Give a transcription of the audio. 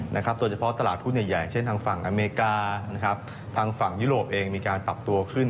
โดยเฉพาะตลาดหุ้นใหญ่เช่นทางฝั่งอเมริกานะครับทางฝั่งยุโรปเองมีการปรับตัวขึ้น